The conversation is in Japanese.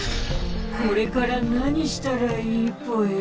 これから何したらいいぽよ？